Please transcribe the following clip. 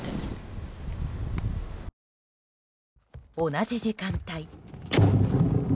同じ時間帯。